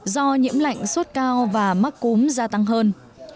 do nhiễm lạnh sốt cao và mắc cúm gia tăng hơn